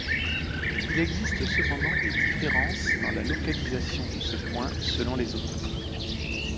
Il existe cependant des différences dans la localisation de ce point selon les auteurs.